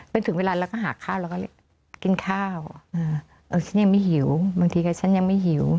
เป็นถึงเวลาเราก็หาข้าวแล้วก็กินข้าวฉันยังไม่หิวบางทีก็ฉันยังไม่หิว